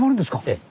ええ。